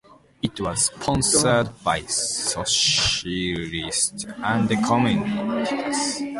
It was sponsored by socialists and communists.